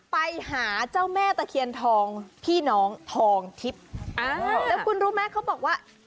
ไปหาเจ้าแม่ตะเคียนทองพี่น้องทองทิพย์อ้าวแล้วคุณรู้ไหมเขาบอกว่า